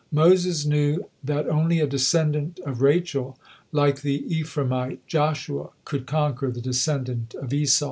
Moses knew that only a descendant of Rachel, like the Ephraimite Joshua, could conquer the descendant of Esau.